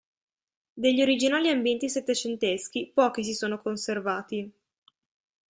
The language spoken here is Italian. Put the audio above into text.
Degli originali ambienti settecenteschi, pochi si sono conservati.